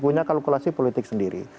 punya kalkulasi politik sendiri